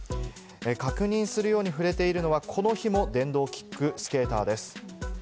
確認するように触れているのは、この日も電動キックスケーターです。